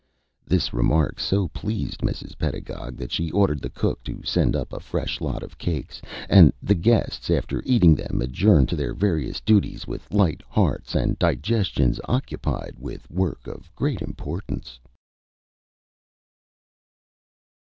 This remark so pleased Mrs. Pedagog that she ordered the cook to send up a fresh lot of cakes; and the guests, after eating them, adjourned to their various duties with light hearts, and digestions occupied with work of great importance.